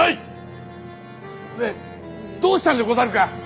ねえどうしたんでござるか？